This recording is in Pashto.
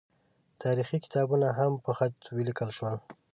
تاریخي کتابونه هم په خط ولیکل شول.